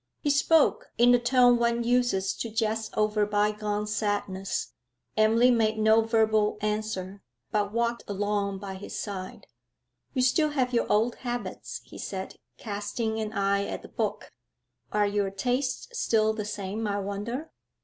He spoke in the tone one uses to jest over bygone sadness. Emily made no verbal answer, but walked along by his side. 'You still have your old habits,' he said, casting an eye at the book. 'Are your tastes still the same, I wonder?'